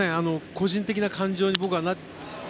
個人的な感情に僕はなる。